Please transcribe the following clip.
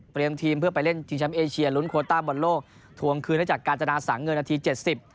เตรียมทีมเพื่อไปเล่นทีมชาติเอเชียรุ้นโคต้าบนโลกถวงคืนได้จากกาจนาศังเงินนาที๗๐